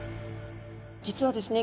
実はですね